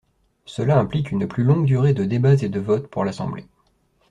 Cela implique une plus longue durée de débats et de votes pour l'assemblée.